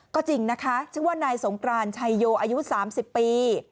ก็จริงนะคะชื่อว่านายสงกรานชัยโยอายุ๓๐ปี